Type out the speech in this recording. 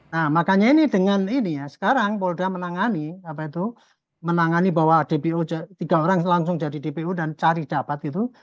nah makanya ini dengan ini ya sekarang polda menangani apa itu menangani bahwa dpo tiga orang langsung jadi dpo dan cari dapat gitu